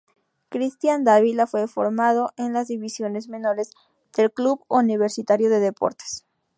Cristian Dávila fue formado en las divisiones menores del Club Universitario de Deportes.